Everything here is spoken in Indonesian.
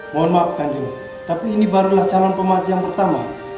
mohon maaf kanjeng tapi ini barulah calon pemati yang pertama